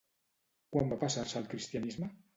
Quan va passar-se al cristianisme?